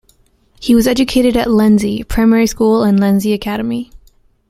He was educated at Lenzie primary school and Lenzie Academy.